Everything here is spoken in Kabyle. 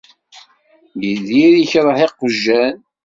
Yidir ikreh iqjan.